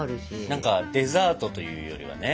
何かデザートというよりはね。